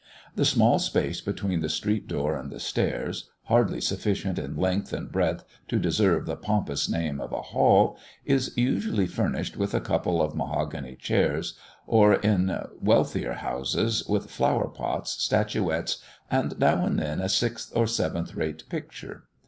The small space between the street door and the stairs, hardly sufficient in length and breadth to deserve the pompous name of a "hall," is usually furnished with a couple of mahogany chairs, or, in wealthier houses, with flower pots, statuettes, and now and then a sixth or seventh rate picture.